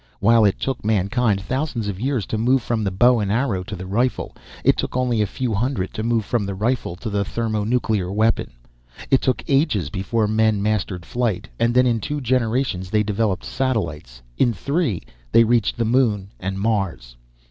While it took mankind thousands of years to move from the bow and arrow to the rifle, it took only a few hundred to move from the rifle to the thermonuclear weapon. It took ages before men mastered flight, and then in two generations they developed satellites; in three, they reached the moon and Mars."